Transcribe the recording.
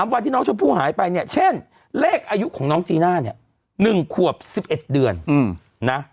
วันที่น้องชมพู่หายไปเนี่ยเช่นเลขอายุของน้องจีน่าเนี่ย๑ขวบ๑๑เดือนนะ